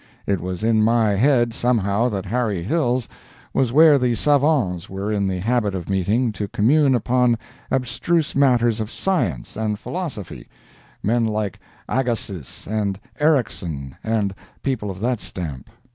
It was in my head somehow that Harry Hill's was where the savants were in the habit of meeting to commune upon abstruse matters of science and philosophy—men like Agassiz and Ericsson and people of that stamp.